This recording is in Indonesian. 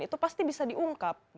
itu pasti bisa diungkap